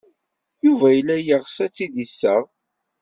Yuba yella yeɣs ad tt-id-iseɣ.